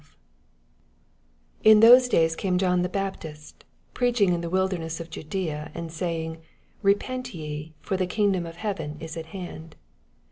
1 In thoee days came John the Baptist, preaching in the wildemeBS of Jadffia, 2 And saying, Bepent ye : for the kingdom of heaven is at hand.